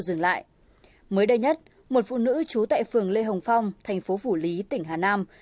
mới đây nhất một phụ nữ trú tại phường lê hồng phong thành phố phủ lý tỉnh hà nam